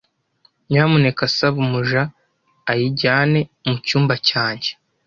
Nyamuneka saba umuja ayijyane mucyumba cyanjye.